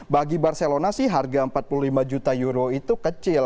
bagi barcelona sih harga empat puluh lima juta euro itu kecil